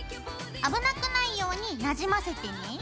危なくないようになじませてね。